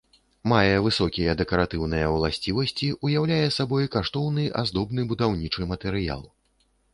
Мае высокія дэкаратыўныя ўласцівасці, уяўляе сабой каштоўны аздобны будаўнічы матэрыял.